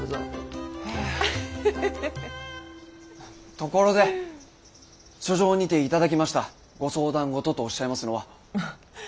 ところで書状にて頂きましたご相談事とおっしゃいますのは。